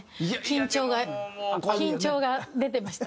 緊張が緊張が出てました。